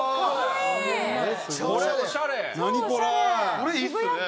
これいいっすね。